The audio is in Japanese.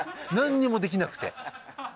何にもできなくて。